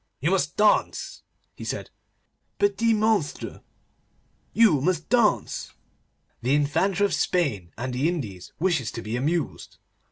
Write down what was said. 'You must dance,' he said, 'petit monsire. You must dance. The Infanta of Spain and the Indies wishes to be amused.